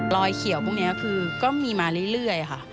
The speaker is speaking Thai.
ลอยเขียวพรุ่งนี้ก็มีมาเรื่อยค่ะ